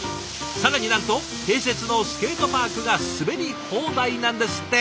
更になんと併設のスケートパークが滑り放題なんですって。